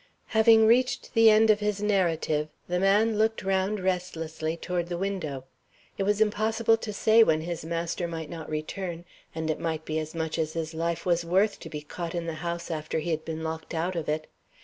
Having reached the end of his narrative, the man looked round restlessly toward the window. It was impossible to say when his master might not return, and it might be as much as his life was worth to be caught in the house after he had been locked out of it.